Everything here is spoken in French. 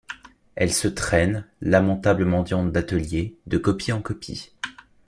Elle se traîne, lamentable mendiante d’atelier, de copie en copie.